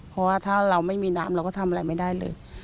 เพราะว่าถ้าเราไม่มีน้ำเราก็ทำอะไรไม่ได้เลย